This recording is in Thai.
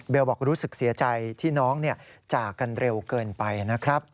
บอกรู้สึกเสียใจที่น้องจากกันเร็วเกินไปนะครับ